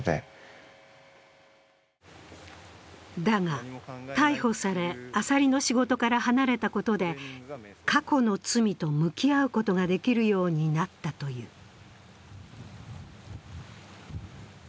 だが逮捕され、アサリの仕事から離れたことで過去の罪と向き合うことができるようになったという。